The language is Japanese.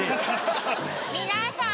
皆さーん。